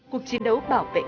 cuộc chiến đấu bảo vệ biên giới